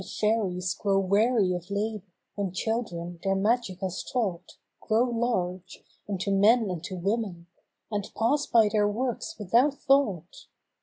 FAIRIES grow weary of labor when children their magic has taught Grow large—into men and to women —a n d pass by their works with¬ out thought.